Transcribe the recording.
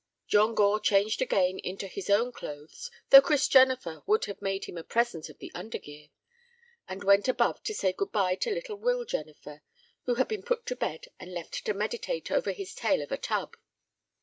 John Gore changed again into his own clothes (though Chris Jennifer would have made him a present of the undergear), and went above to say good bye to little Will Jennifer, who had been put to bed and left to meditate over this Tale of a Tub.